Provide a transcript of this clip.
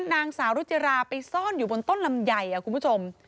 นางสาวรุจิราไปซ่อนอยู่บนต้นลำไยคุณผู้ชม